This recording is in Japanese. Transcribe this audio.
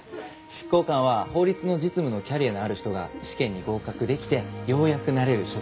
執行官は法律の実務のキャリアのある人が試験に合格できてようやくなれる職業なんです。